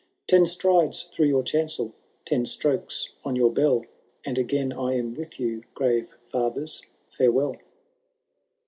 Ten strides through your chancel, ten strokes on your beU, And again I am with you— grave flathers, fiurewell.''